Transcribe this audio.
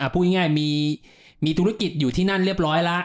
พูดง่ายมีธุรกิจอยู่ที่นั่นเรียบร้อยแล้ว